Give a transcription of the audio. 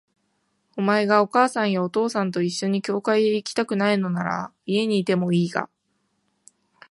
お前がお母さんやお父さんと一緒に教会へ行きたくないのなら、家にいてもいいが、